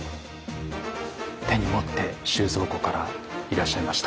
手に持って収蔵庫からいらっしゃいました。